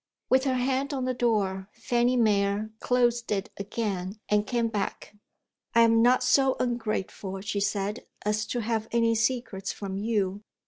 With her hand on the door, Fanny Mere closed it again, and came back. "I am not so ungrateful," she said, "as to have any secrets from You.